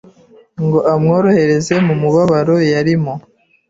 ngo amworohereze mu mubabaro yarimo.